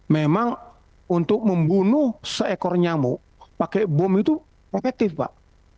memang untuk membunuh seekor nyamuk pakai bom itu efektif pak